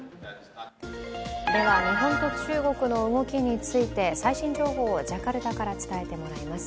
では日本と中国の動きについて、最新情報をジャカルタから伝えてもらいます。